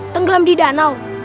tenggelam di danau